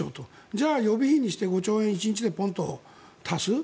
じゃあ予備費にして５兆円、１日でポンと足す。